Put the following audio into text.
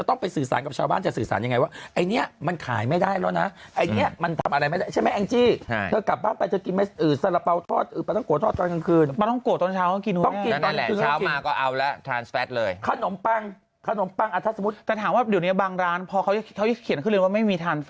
เขาไปสื่อสารกับชาวบ้านจะสื่อสารยังไงว่าไอ้เนี่ยมันขายไม่ได้แล้วนะไอ้เนี้ยมัน